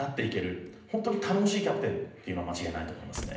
ホントに頼もしいキャプテンっていうのは間違いないと思いますね。